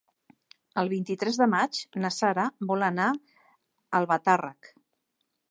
El vint-i-tres de maig na Sara vol anar a Albatàrrec.